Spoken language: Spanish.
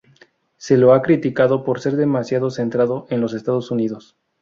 Se lo han criticado por ser demasiado centrado en los Estados Unidos.